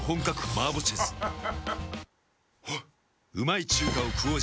あっ。